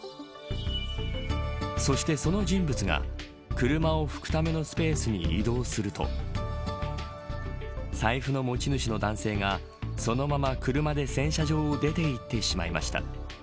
そして、その人物が車を拭くためのスペースに移動すると財布の持ち主の男性がそのまま車で洗車場を出て行ってしまいました。